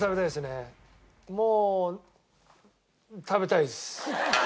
もう食べたいです。